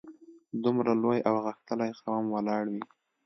دومره لوی او غښتلی قوم ولاړ وي.